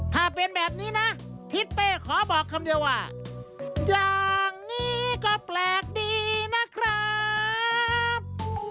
ถ้าเป็นแบบนี้นะทิศเป้ขอบอกคำเดียวว่าอย่างนี้ก็แปลกดีนะครับ